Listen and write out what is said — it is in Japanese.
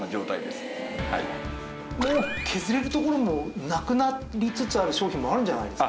もう削れるところもなくなりつつある商品もあるんじゃないですか？